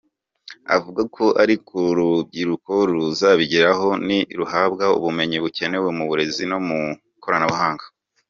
Avuga ko ariko urubyiruko ruzabigeraho niruhabwa ubumenyi bukenewe mu burezi no mu ikoranabuhanga.